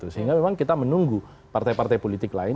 sehingga memang kita menunggu partai partai politik lain